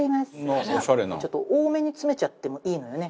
ちょっと多めに詰めちゃってもいいのよね。